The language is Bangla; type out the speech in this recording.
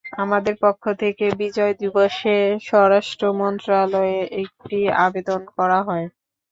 আমাদের পক্ষ থেকে বিজয় দিবসে স্বরাষ্ট্র মন্ত্রণালয়ে একটি আবেদন করা হয়।